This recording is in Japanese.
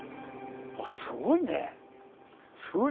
あっすごいね！